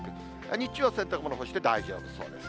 日中は洗濯物干して大丈夫そうです。